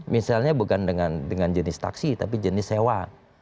misalnya bukan dengan jenis taksi tapi jenis sewa